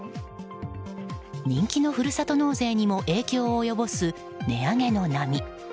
人気のふるさと納税にも影響を及ぼす値上げの波。